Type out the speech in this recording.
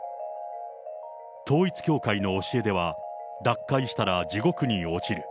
統一教会の教えでは、脱会したら地獄に落ちる。